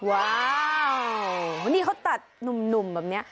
ว้าวนี่เขาตัดหนุ่มแบบนี้